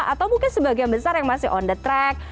atau mungkin sebagian besar yang masih on the track